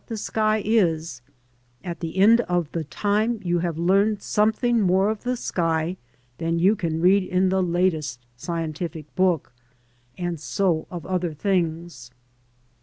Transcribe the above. the sky is, at the end of the time you have learned something more of the sky than you can read in the latest scientific book ; and so of other things.